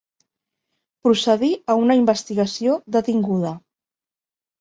Procedir a una investigació detinguda.